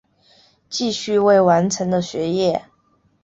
继续未完成的学业